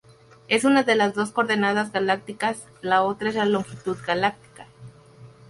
Es una de las dos coordenadas galácticas, la otra es la longitud galáctica.